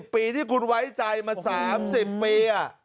๓๐ปีที่คุณไว้ใจมา๓๐ปีน่ะ